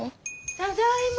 ただいま。